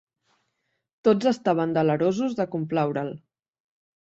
Tots estaven delerosos de complaure'l.